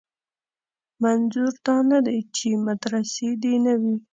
منظور دا نه دی چې مدرسې دې نه وي.